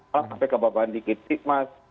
malah sampai ke bapak andi ketik mas